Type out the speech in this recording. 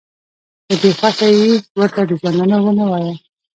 که دې خوښه ي ورته د ژوندانه ونه وایه.